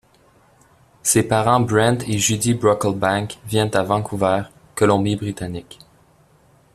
Ses parents Brent et Judy Brocklebank vivent à Vancouver, Colombie-Britannique.